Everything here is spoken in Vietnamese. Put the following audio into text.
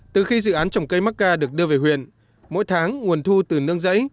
từ khi dự án trồng cây mắc ca được đưa về huyện mỗi tháng nguồn thu từ nương giấy